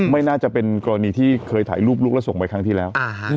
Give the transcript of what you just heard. ไม่น่าจะเป็นกรณีที่เคยถ่ายรูปลูกแล้วส่งไปครั้งที่แล้ว